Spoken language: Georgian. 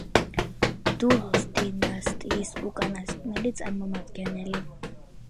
დულოს დინასტიის უკანასკნელი წარმომადგენელი.